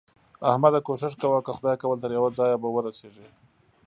احمده! کوښښ کوه؛ که خدای کول تر يوه ځايه به ورسېږې.